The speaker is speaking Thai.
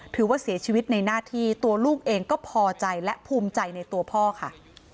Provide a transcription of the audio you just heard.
ถือว่าเสียชีวิตในหน้าที่ตัวลูกเองก็พอใจและภูมิใจในตัวพ่อค่ะ